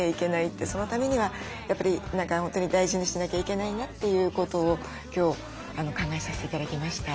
そのためにはやっぱり何か本当に大事にしなきゃいけないなということを今日考えさせて頂きました。